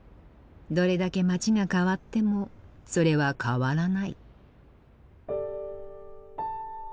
どれだけ街が変わってもそれは変わらない。